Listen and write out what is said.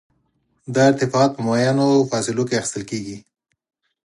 دا ارتفاعات په معینو فاصلو کې اخیستل کیږي